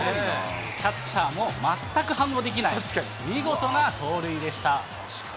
キャッチャーも全く反応できない、見事な盗塁でした。